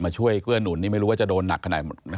ช่วยเกื้อหนุนนี่ไม่รู้ว่าจะโดนหนักขนาด